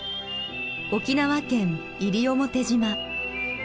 沖縄県西表島。